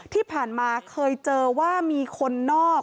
ที่ผ่านมาเคยเจอว่ามีคนนอก